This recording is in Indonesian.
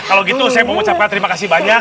kalau gitu saya mau ucapkan terima kasih banyak